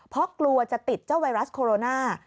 เพราะกลัวจะติดเจ้าไวรัสโคโรนา